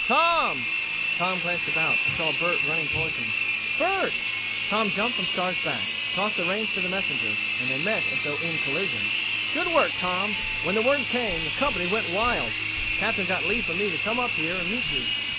"Tom!" Tom glanced about and saw Bert running toward him. "Bert!" Tom jumped from Star's back, tossed the reins to the messenger and they met as though in collision. "Good work, Tom! When the word came, the company went wild. The Captain got leave for me to come up here and meet you.